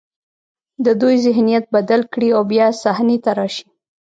د دوی ذهنیت بدل کړي او بیا صحنې ته راشي.